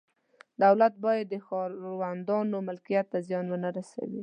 دولت باید د ښاروندانو ملکیت ته زیان نه ورسوي.